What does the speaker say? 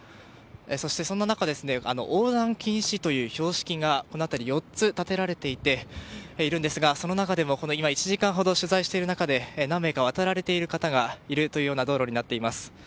そして、そんな中横断禁止という標識がこの辺り、４つ立てられているんですがその中でもこの１時間ほど取材している中で何名か渡られている方がいるという道路になっています。